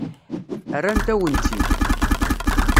Rrant-awen-tt-id.